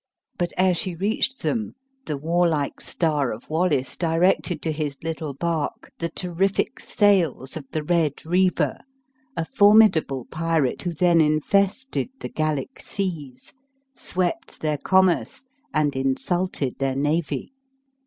But ere she reached them, the warlike star of Wallace directed to his little bark the terrific sails of the Red Reaver, a formidable pirate who then infested the Gallic seas, swept their commerce, and insulted their navy.